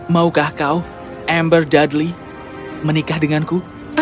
maukah kau ember dudley menikah denganku